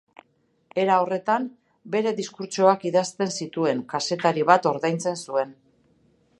Era horretan, bere diskurtsoak idazten zituen kazetari bat ordaintzen zuen.